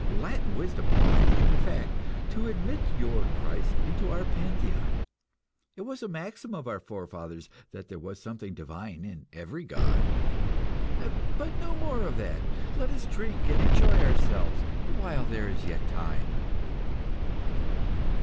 Latin wisdom ought, in fact, to admit your Christ into our pantheon. It was a maxim of our forefathers that there was something divine in every god. But no more of that. Let us drink and enjoy ourselves while there is yet time."